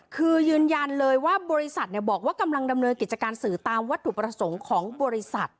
คือยืนยันเลยว่าบริษัทบอกว่ากำลังดำเนินกิจการสื่อตามวัตถุประสงค์ของบริษัท